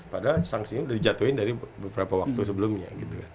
padahal sanksi ini udah dijatuhin dari beberapa waktu sebelumnya